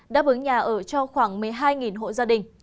đáp ứng nhà ở cho khoảng một mươi hai hộ gia đình